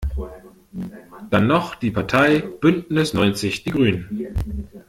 Dann noch die Partei Bündnis neunzig die Grünen.